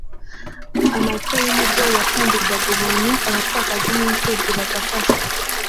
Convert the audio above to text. amata y'umubyeyi yatangirwaga ubuntu, abapfakazi n'imfubyi bagafashwa.